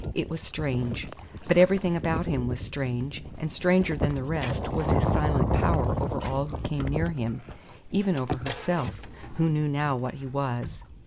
It was strange. But everything about him was strange; and stranger than the rest was his silent power over all who came near him, even over herself, who knew now what he was.